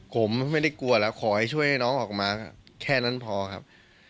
ผมไม่ได้กลัวแล้วขอให้ช่วยน้องออกมาแค่นั้นพอครับ